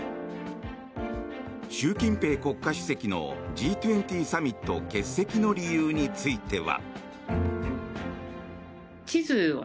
習近平国家主席のＧ２０サミット欠席の理由については。